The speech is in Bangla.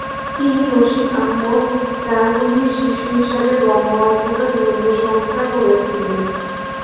তিনি রশিদ আহমদ গাঙ্গুহির শিষ্য হিসেবে বঙ্গ অঞ্চলে ধর্মীয় সংস্কার করেছিলেন।